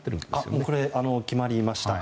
もう決まりました。